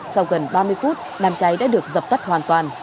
sau gần ba mươi phút đám cháy đã được dập tắt hoàn toàn